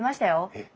えっ。